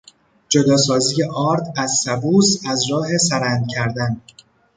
جداسازی آرد از سبوس از راه سرند کردن